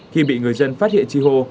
khi bị người dân phát hiện chi hô